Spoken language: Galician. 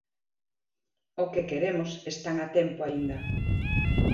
O que queremos están a tempo aínda.